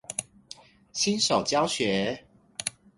新手教學